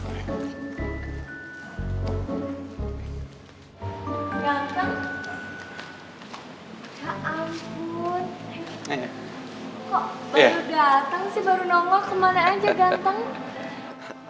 kok baru dateng sih baru nongol kemana aja ganteng